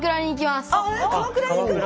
鎌倉に行くの⁉